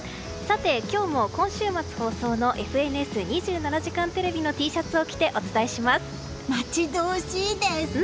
今日も今週末放送の「ＦＮＳ２７時間テレビ」の待ち遠しいです！